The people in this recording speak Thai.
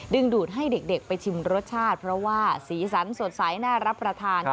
ดูดให้เด็กไปชิมรสชาติเพราะว่าสีสันสดใสน่ารับประทาน